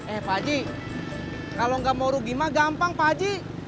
eh paji kalau nggak mau rugi mah gampang pak haji